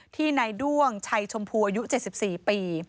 ที่นายด้วงชัยชมพูอายุ๗๔ปี